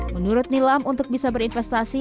menurut nilam untuk bisa berinvestasi